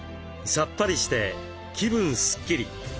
さっぱりして気分すっきり！